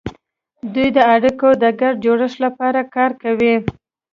دوی د اړیکو د ګډ جوړښت لپاره کار کوي